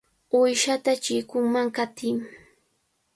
¡Uyshata chikunman qatiy!